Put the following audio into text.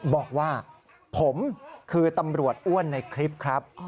บอกว่าผมคือตำรวจอ้วนในคลิปครับ